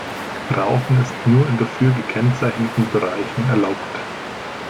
Rauchen ist nur in dafür gekennzeichneten Bereichen erlaubt.